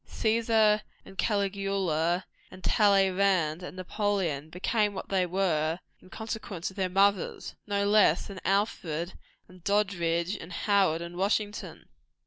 Cæsar, and Caligula, and Talleyrand, and Napoleon, became what they were in consequence of their mothers, no less than Alfred, and Doddridge, and Howard, and Washington.